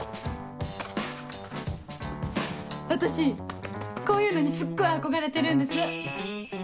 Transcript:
私こういうのにすっごい憧れてるんです。